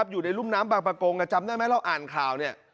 อยู่ในรุ่มน้ำบางประกงจำได้ไหมเราอ่านข่าวเนี่ย